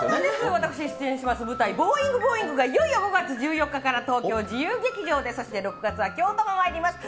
私が出演する舞台、ボーイング・ボーイング、いよいよ５月１４日から、東京・自由劇場で、そして京都もまいります。